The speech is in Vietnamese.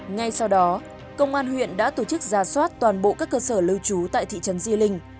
ngay sau đó công an huyện đã tổ chức ra soát toàn bộ các cơ sở lưu trú tại thị trấn di linh